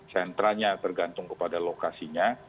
sentranya tergantung kepada lokasinya